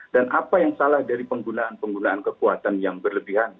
dan apa yang salah dari penggunaan penggunaan kekuatan yang berlebihan